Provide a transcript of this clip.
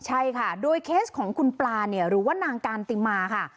ใช่ค่ะโดยเคสของคุณปลาเนี่ยหรือว่านางการติมาค่ะ